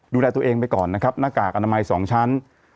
ดูแลตัวเองไปก่อนนะครับหน้ากากอนามัย๒ชั้น